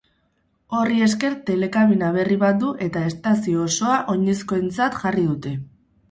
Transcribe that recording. Horri esker, telekabina berri bat du eta estazio osoa oinezkoentzat jarri dute.